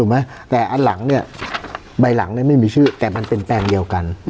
แต่อันหลังเนี่ยใบหลังเนี่ยไม่มีชื่อแต่มันเป็นแปลงเดียวกัน